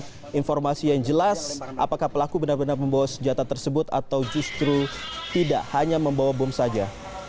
apakah informasi yang jelas apakah pelaku benar benar membawa senjata tersebut atau justru tidak hanya membawa bom saja